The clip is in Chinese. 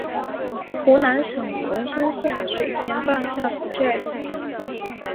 湖南省龙山县水田坝下比寨人。